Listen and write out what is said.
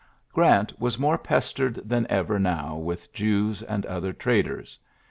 GEANT 81 Grant was more pestered than ever now with Jews and other traders.